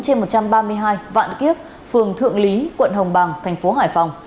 phạm hoàng anh sinh năm hai nghìn ba vạn kiếp phường thượng lý quận hồng bàng tp hải phòng